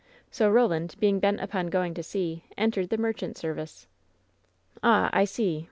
So Roland, being bent upon going to sea, en tered the merchant service." "Ah! I see.